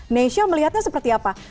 nesha melihatnya seperti apa